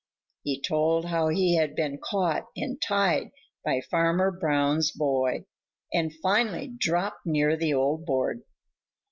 He told how he had been caught and tied by Farmer Brown's boy and finally dropped near the old board.